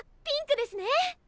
ピンクですね！